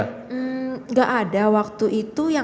tidak ada waktu itu yang